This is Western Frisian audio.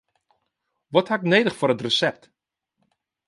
Wat haw ik nedich foar it resept?